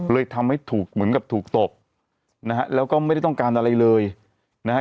เลยทำให้ถูกเหมือนกับถูกตบนะฮะแล้วก็ไม่ได้ต้องการอะไรเลยนะฮะ